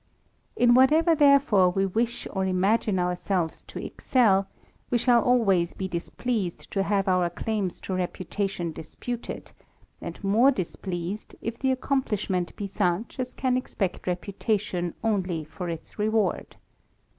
In whatever therefore we wish or imagine ourselves to excel, we shall always be displeased to have our claims to reputation disputed \ and more displeased, if the accomplishment be such as can expect reputation only for its reward.